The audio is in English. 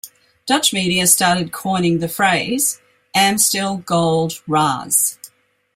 Dutch media started coining the phrase "Amstel Gold Raas".